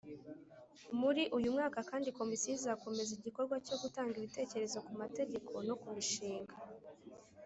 Muri uyu mwaka kandi Komisiyo izakomeza igikorwa cyo gutanga ibitekerezo ku mategeko no ku mishinga